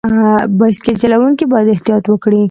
بایسکل چلوونکي باید احتیاط وکړي.